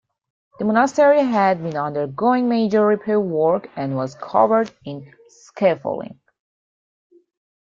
The monastery had been undergoing major repair work and was covered in scaffolding.